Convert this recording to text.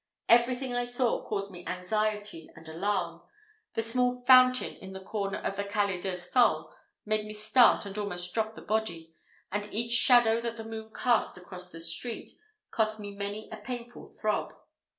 Everything I saw caused me anxiety and alarm; the small fountain at the corner of the Calle del Sol made me start and almost drop the body; and each shadow that the moon cast across the street, cost me many a painful throb.